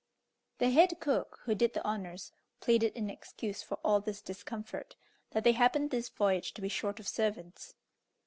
The head cook, who did the honours, pleaded in excuse for all this discomfort, that they happened this voyage to be short of servants.